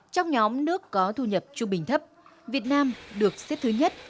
trong nhóm nước có thu nhập trung bình thấp việt nam được xếp thứ nhất